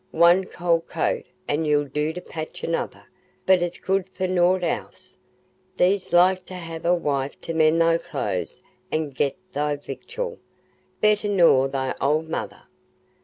One old coat 'ull do to patch another, but it's good for nought else. Thee'dst like to ha' a wife to mend thy clothes an' get thy victual, better nor thy old mother.